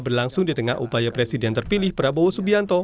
berlangsung di tengah upaya presiden terpilih prabowo subianto